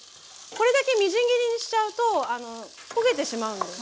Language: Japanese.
これだけみじん切りにしちゃうと焦げてしまうので。